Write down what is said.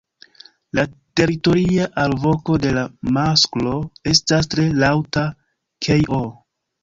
La teritoria alvoko de la masklo estas tre laŭta "kej-oh".